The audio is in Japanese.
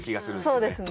そうですね。